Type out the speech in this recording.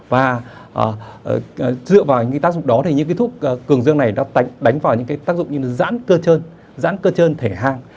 và dựa vào những cái tác dụng đó thì những cái thuốc cường dương này nó tạnh đánh vào những cái tác dụng như là giãn cơ trơn dãn cơ trơn thể hang